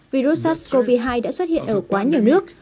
virus sars cov hai đã xuất hiện ở quá nhiều nước